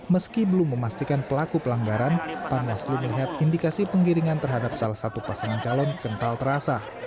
meski belum memastikan pelaku pelanggaran panwaslu melihat indikasi penggiringan terhadap salah satu pasangan calon kental terasa